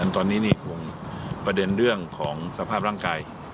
ตอนนี้นี่คงประเด็นเรื่องของสภาพร่างกาย